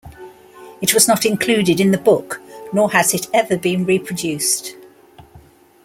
It was not included in the book, nor has it ever been reproduced.